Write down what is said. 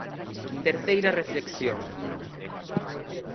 Terceira reflexión.